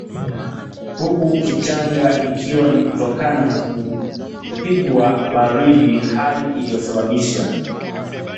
huku kichanga ikiwa ni kutokana na kupigwa baridi hali iliyosababisha